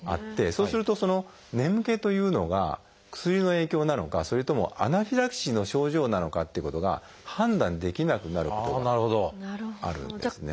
そうするとその眠気というのが薬の影響なのかそれともアナフィラキシーの症状なのかっていうことが判断できなくなることがあるんですね。